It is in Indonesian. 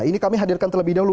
ini kami hadirkan terlebih dahulu